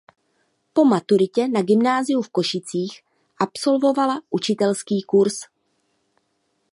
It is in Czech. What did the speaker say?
Po maturitě na gymnáziu v Košicích absolvovala učitelský kurz.